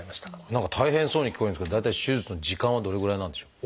何か大変そうに聞こえるんですけど大体手術の時間はどれぐらいなんでしょう？